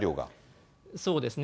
そうですね。